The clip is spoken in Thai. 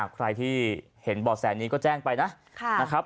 ใครที่เห็นบ่อแสนนี้ก็แจ้งไปนะ